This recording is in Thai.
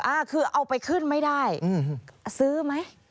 ใช่ว่าเอาไปขึ้นไม่ได้ซื้อหรือไม่